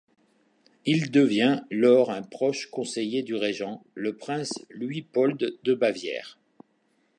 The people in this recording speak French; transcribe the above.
Il devient lors un proche conseiller du régent, le prince Luitpold de Bavière.